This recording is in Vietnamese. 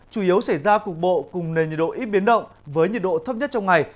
chủ yếu xảy ra cục bộ cùng nền nhiệt độ ít biến động với nhiệt độ thấp nhất trong ngày